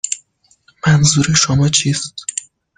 منظور شما چیست؟